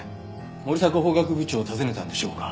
森迫法学部長を訪ねたんでしょうか？